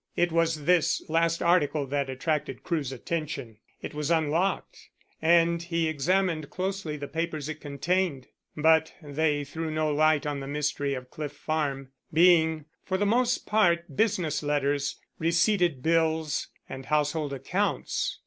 It was this last article that attracted Crewe's attention. It was unlocked, and he examined closely the papers it contained. But they threw no light on the mystery of Cliff Farm, being for the most part business letters, receipted bills, and household accounts.